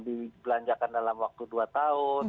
dibelanjakan dalam waktu dua tahun